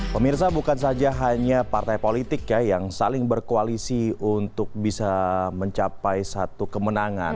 pemirsa bukan saja hanya partai politik ya yang saling berkoalisi untuk bisa mencapai satu kemenangan